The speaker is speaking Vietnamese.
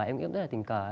em nghĩ cũng rất là tình cờ